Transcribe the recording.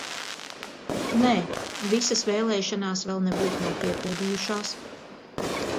Nē, visas vēlēšanās vēl nebūt nav piepildījušās!